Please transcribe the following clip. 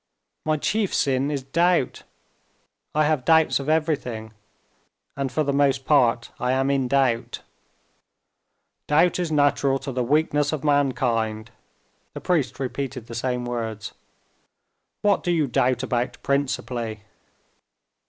"My chief sin is doubt. I have doubts of everything, and for the most part I am in doubt." "Doubt is natural to the weakness of mankind," the priest repeated the same words. "What do you doubt about principally?"